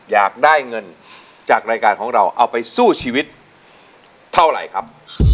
อยากได้เงินจากรายการของเราเอาไปสู้ชีวิตเท่าไหร่ครับ